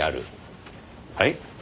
はい？